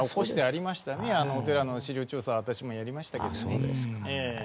あのお寺の史料調査は私もやりましたけどもね。